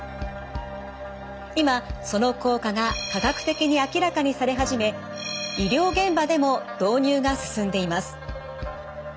今その効果が科学的に明らかにされ始め医療現場でも導入が進んでいます。